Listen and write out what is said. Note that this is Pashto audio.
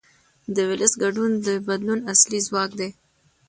د ولس ګډون د بدلون اصلي ځواک دی